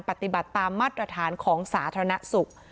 ปฏิบัติตามมาตรฐานของสาธารณสุข